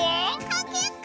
かけっこ！